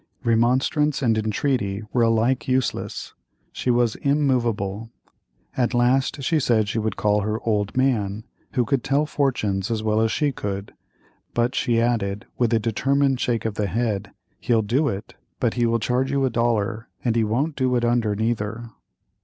Remonstrance and entreaty were alike useless; she was immovable. At last, she said she would call her "old man," who could tell fortunes as well as she could, but she added, with a determined shake of the head: "He'll do it, but he will charge you a dollar; and he wont do it under, neither."